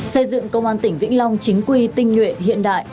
xây dựng công an tỉnh vĩnh long chính quy tinh nguyện hiện đại